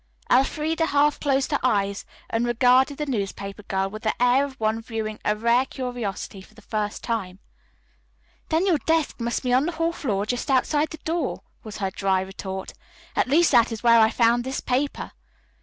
Elfreda half closed her eyes and regarded the newspaper girl with the air of one viewing a rare curiosity for the first time. "Then your desk must be on the hall floor just outside the door," was her dry retort. "At least that is where I found this paper."